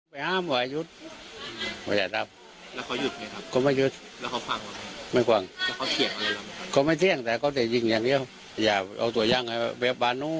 เขาไม่เที่ยงแต่เขาได้ยิงอย่างเดียวอย่าเอาตัวย่างให้แบบบานนู้น